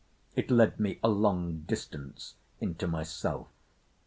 It led me a long distance into myself.